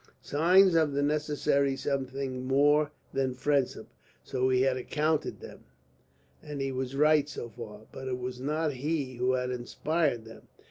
Signs of the necessary something more than friendship so he had accounted them, and he was right so far. But it was not he who had inspired them.